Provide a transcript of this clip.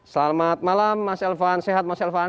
selamat malam mas elvan sehat mas elvan